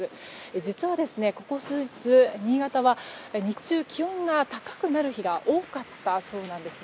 実は、ここ数日新潟は日中、気温が高くなる日が多かったそうなんですね。